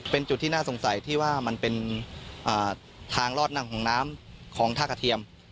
เป็นจุดที่น่าสงสัยที่ว่ามันเป็นทางรอดนั่งของน้ำของท่ากระเทียม